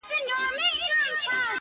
ورځ به له سره نیسو تېر به تاریخونه سوځو-